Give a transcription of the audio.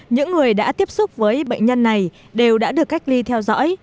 những người đã tiếp xúc với bệnh nhân này đều đã được cách ly theo dõi